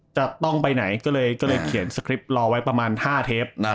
จะต้องไปไหนก็เลยเขียนสคริปต์รอไว้ประมาณ๕เทป